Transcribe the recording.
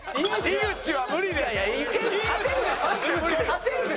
井口は無理！